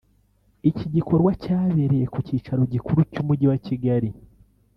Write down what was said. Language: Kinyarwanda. Iki gikorwa cyabereye ku kicaro gikuru cy’umujyi wa Kigali